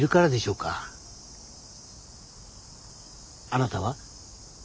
あなたは？